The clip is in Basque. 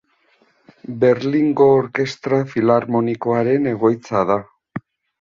Berlingo Orkestra Filarmonikoaren egoitza da.